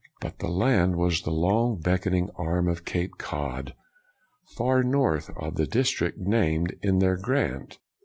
But the land was the long beckoning arm of Cape Cod, far north of the dis trict named in their grant.